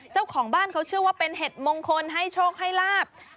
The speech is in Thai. เจ้าของบ้านเขาเชื่อว่าเป็นเห็ดมงคลให้โชคให้ลาบ